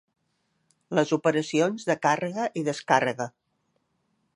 Les operacions de càrrega i descàrrega.